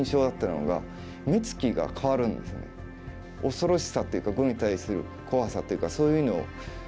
恐ろしさというか碁に対する怖さというかそういうのを。